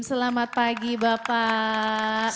selamat pagi bapak